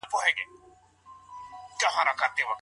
ولي کوښښ کوونکی د وړ کس په پرتله خنډونه ماتوي؟